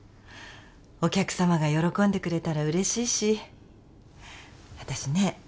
お客様が喜んでくれたら嬉しいし私ね